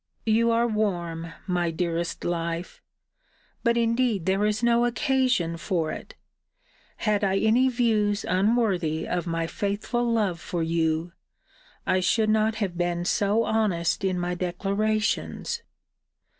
You are warm, my dearest life! But indeed there is no occasion for it. Had I any views unworthy of my faithful love for you, I should not have been so honest in my declarations.